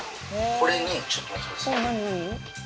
これにちょっと待ってください。